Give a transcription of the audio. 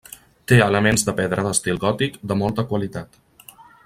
Té elements de pedra d'estil gòtic de molta qualitat.